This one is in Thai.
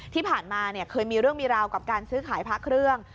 ที่ผ่านมาเคยมีเรื่องมีราวกับการซื้อขายพระเครื่อง